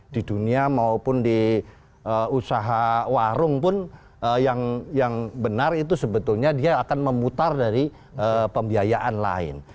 di dunia maupun di usaha warung pun yang benar itu sebetulnya dia akan memutar dari pembiayaan lain